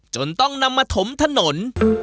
จนต้องนำมาถมถนน